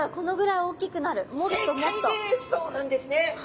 そうなんですね。